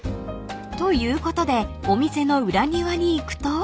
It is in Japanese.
［ということでお店の裏庭に行くと］